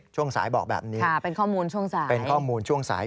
ช่วงสายบอกแบบนี้เป็นข้อมูลช่วงสาย